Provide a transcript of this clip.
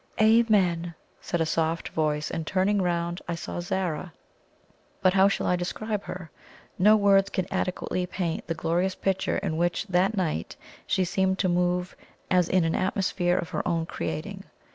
"Amen!" said a soft voice, and, turning round, I saw Zara. But how shall I describe her? No words can adequately paint the glorious beauty in which, that night, she seemed to move as in an atmosphere of her own creating.